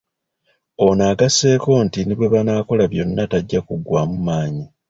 Ono agasseeko nti ne bwe banaakola byonna tajja kuggwaamu maanyi.